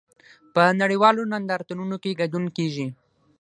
په نړیوالو نندارتونونو کې ګډون کیږي